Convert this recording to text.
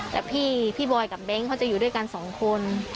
แต่พี่พี่บอยกับแบงค์เขาจะอยู่ด้วยกัน๒คน